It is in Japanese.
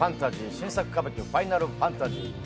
「新作歌舞伎ファイナルファンタジーＸ」